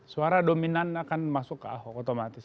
suara dominan akan masuk ke ahok otomatis